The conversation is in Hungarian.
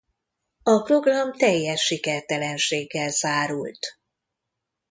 A program teljes sikertelenséggel zárult.